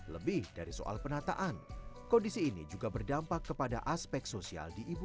lebih dari soal penataan kondisi ini juga berdampak kepada aspek sosial di ibu